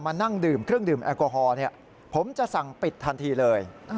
นั่งดื่มเครื่องดื่มแอลกอฮอล์ผมจะสั่งปิดทันทีเลย